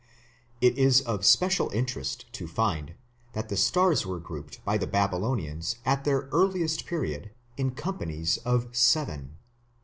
It is of special interest to find that the stars were grouped by the Babylonians at the earliest period in companies of seven.